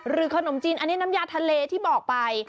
ขนมจีนอันนี้น้ำยาทะเลที่บอกไป